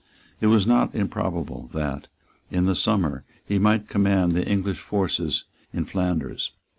It was not improbable that, in the summer, he might command the English forces in Flanders.